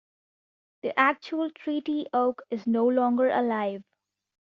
The actual Treaty Oak is no longer alive.